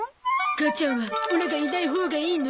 母ちゃんはオラがいないほうがいいの？